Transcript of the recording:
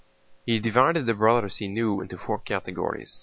He divided the Brothers he knew into four categories.